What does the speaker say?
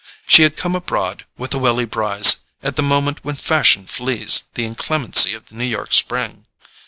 She had come abroad with the Welly Brys at the moment when fashion flees the inclemency of the New York spring.